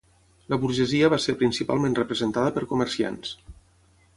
La burgesia va ser principalment representada per comerciants.